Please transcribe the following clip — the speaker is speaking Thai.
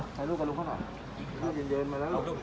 อืมเอาลูกกันลุกเข้าหน่อยยืนเย็นมาแล้วลูก